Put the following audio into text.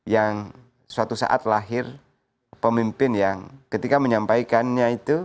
yang suatu saat lahir pemimpin yang ketika menyampaikannya itu